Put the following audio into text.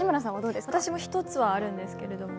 私も１つはあるんですけれども。